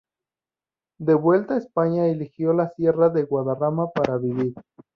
De vuelta a España, eligió la sierra de Guadarrama para vivir.